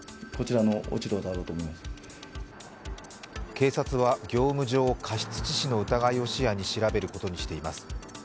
警察は、業務上過失致死の疑いを視野に調べることにしています。